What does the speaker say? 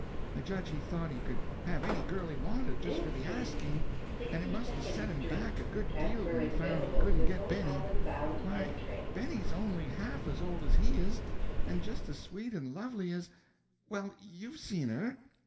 I judge he thought he could have any girl he wanted, just for the asking, and it must have set him back a good deal when he found he couldn't get Benny. Why, Benny's only half as old as he is, and just as sweet and lovely as—well, you've seen her.